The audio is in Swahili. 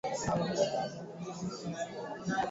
uenda ikaambulia patupu victor ambuso ana taarifa zaidi